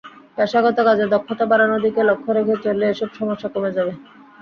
পেশাগত কাজে দক্ষতা বাড়ানোর দিকে লক্ষ রেখে চললে এসব সমস্যা কমে যাবে।